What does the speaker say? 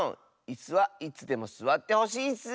いすはいつでもすわってほしいッス！